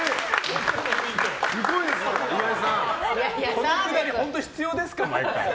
このくだり本当に必要ですか、毎回。